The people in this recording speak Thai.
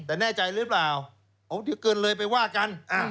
แต่แน่ใจหรือเปล่าเดี๋ยวเกินเลยไปว่ากัน